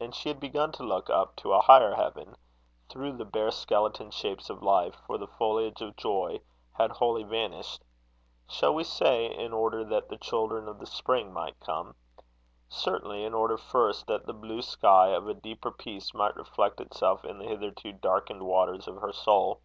And she had begun to look up to a higher heaven, through the bare skeleton shapes of life; for the foliage of joy had wholly vanished shall we say in order that the children of the spring might come? certainly in order first that the blue sky of a deeper peace might reflect itself in the hitherto darkened waters of her soul.